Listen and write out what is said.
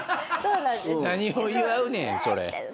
何を祝うねんそれ。